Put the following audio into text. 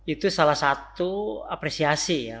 itu salah satu apresiasi ya